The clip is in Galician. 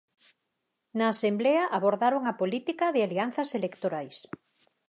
Na asemblea abordaron a política de alianzas electorais.